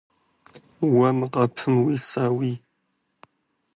Уэ мы къэпым уисауи?